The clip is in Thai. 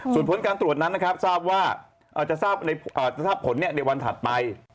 ส่วนผลการตรวจนั้นนะครับทราบว่าจะทราบผลในวันถัดไป